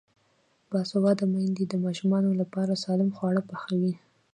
باسواده میندې د ماشومانو لپاره سالم خواړه پخوي.